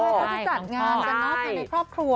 เขาจะจัดงานกันเนอะภายในครอบครัว